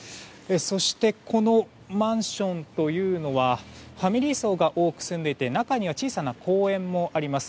そして、このマンションはファミリー層が多く住んでいて中には小さな公園もあります。